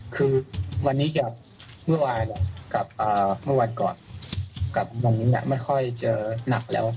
คือวันนี้กับเมื่อวานก่อนกับวันนี้ไม่ค่อยเจอหนักแล้ว